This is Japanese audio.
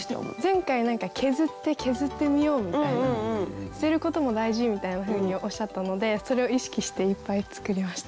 前回何か削って削ってみようみたいな捨てることも大事みたいなふうにおっしゃったのでそれを意識していっぱい作りました。